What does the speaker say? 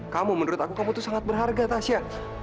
kamu menurut aku kamu tuh sangat berharga tasya